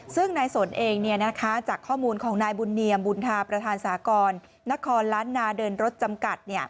ซึ่งนายสนเองจากข้อมูลของนายบุญเนียมบุญธาประธานสากรนครล้านนาเดินรถจำกัด